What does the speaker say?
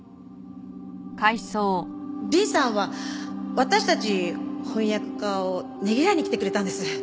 リンさんは私たち翻訳家をねぎらいに来てくれたんです。